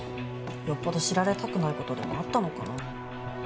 よっぽど知られたくない事でもあったのかな？